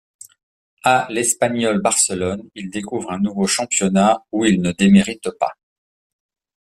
À l'Espanyol Barcelone, il découvre un nouveau championnat où il ne démérite pas.